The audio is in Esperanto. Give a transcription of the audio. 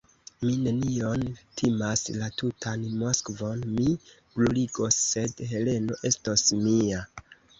Mi nenion timas, la tutan Moskvon mi bruligos, sed Heleno estos mia!